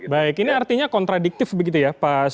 baik ini artinya kontradiktif begitu ya pak